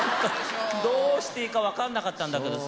どうしていいか分かんなかったんだけどさ。